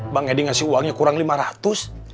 bang edi ngasih uangnya kurang lima ratus